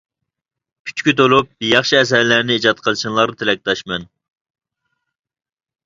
كۈچكە تولۇپ ياخشى ئەسەرلەرنى ئىجاد قىلىشىڭلارغا تىلەكداشمەن.